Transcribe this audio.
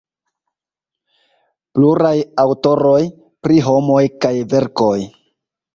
Pluraj aŭtoroj, Pri homoj kaj verkoj.